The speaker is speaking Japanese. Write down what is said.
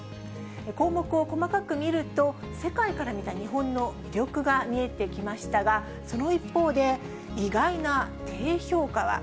項目を細かく見ると、世界から見た日本の魅力が見えてきましたが、その一方で、意外な低評価は？